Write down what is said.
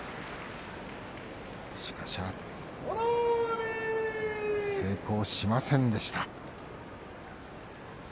しかし、成功しませんでした。